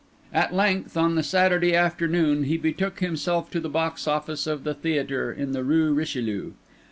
At length, on the Saturday afternoon, he betook himself to the box office of the theatre in the Rue Richelieu.